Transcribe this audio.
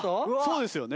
そうですよね。